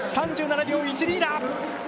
３７秒１２だ。